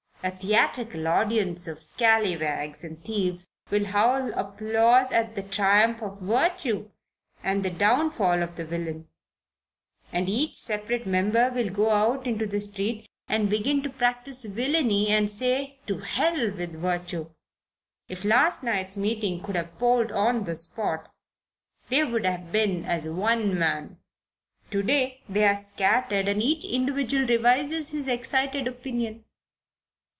A theatrical audience of scalliwags and thieves will howl applause at the triumph of virtue and the downfall of the villain; and each separate member will go out into the street and begin to practise villainy and say 'to hell with virtue.' If last night's meeting could have polled on the spot, they would have been as one man. To day they're scattered and each individual revises his excited opinion.